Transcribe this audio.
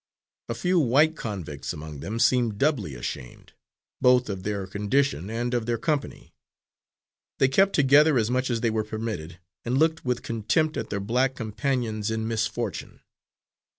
A few white convicts among them seemed doubly ashamed both of their condition and of their company; they kept together as much as they were permitted, and looked with contempt at their black companions in misfortune.